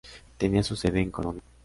Tenía su sede en Colonia.